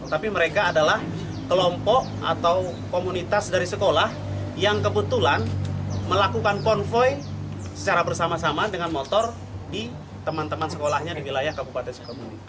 tapi mereka adalah kelompok atau komunitas dari sekolah yang kebetulan melakukan konvoy secara bersama sama dengan motor di teman teman sekolahnya di wilayah kabupaten sukabumi